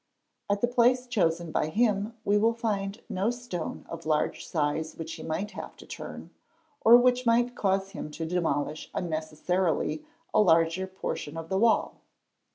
At the place chosen by him we will find no stone of large size which he might have to turn, or which might cause him to demolish unnecessarily a larger portion of the wall.